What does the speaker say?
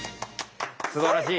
すばらしい！